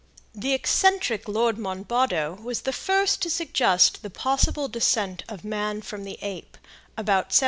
The eccentric Lord Monboddo was the first to suggest the possible descent of man from the ape, about 1774.